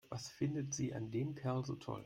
Was findet sie an dem Kerl so toll?